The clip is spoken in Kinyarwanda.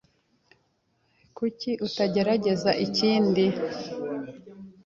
Kuki tutagerageza ikindi?